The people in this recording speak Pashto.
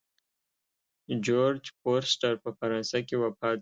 جورج فورسټر په فرانسه کې وفات شو.